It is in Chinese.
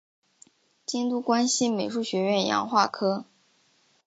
京都关西美术学院洋画科